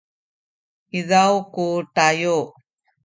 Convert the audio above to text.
izaw ku tayu